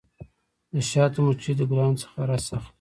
د شاتو مچۍ د ګلانو څخه رس اخلي.